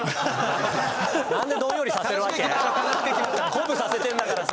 鼓舞させてるんだからさ。